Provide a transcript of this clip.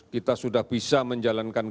kita sudah bisa menjalankan kehidupan kita